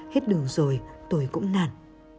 hết đường rồi tôi cũng nản